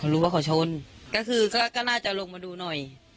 รู้ว่าเขาชนก็คือก็น่าจะลงมาดูหน่อย